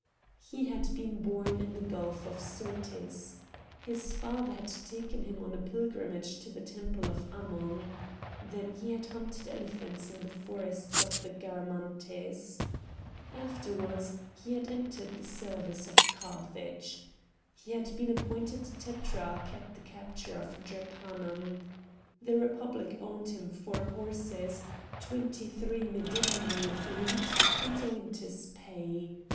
He had been born in the gulf of Syrtis. His father had taken him on a pilgrimage to the temple of Ammon. Then he had hunted elephants in the forests of the Garamantes. Afterwards he had entered the service of Carthage. He had been appointed tetrarch at the capture of Drepanum. The Republic owed him four horses, twenty three medimni of wheat, and a winter's pay.